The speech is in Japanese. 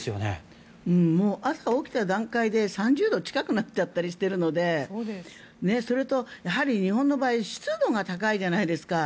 朝起きた段階で３０度近くなっちゃったりしてるのでそれと、やはり日本の場合湿度が高いじゃないですか。